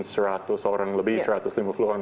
seratus orang lebih seratus lima puluhan